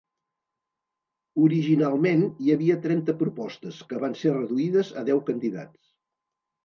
Originalment hi havia trenta propostes, que van ser reduïdes a deu candidats.